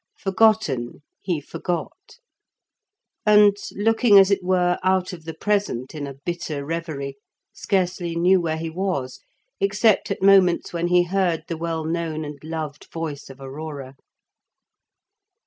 Forgotten, he forgot; and, looking as it were out of the present in a bitter reverie, scarcely knew where he was, except at moments when he heard the well known and loved voice of Aurora.